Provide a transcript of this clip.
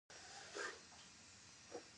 بودیجه له تصویب وروسته قانوني حیثیت لري.